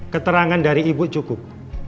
keterangan dari ibu cukup